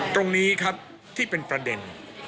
ตรงนี้ครับที่เป็นประเด็น